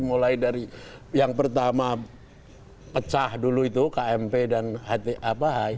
mulai dari yang pertama pecah dulu itu kmp dan kia